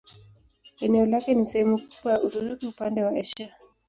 Eneo lake ni sehemu kubwa ya Uturuki upande wa Asia.